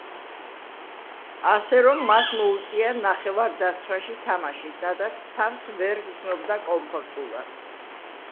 ასე რომ მას მოუწია ნახევარდაცვაში თამაში, სადაც თავს ვერ გრძნობდა კომფორტულად.